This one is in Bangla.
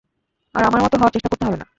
আর আমার মতো হওয়ার চেষ্টা করতে হবে না।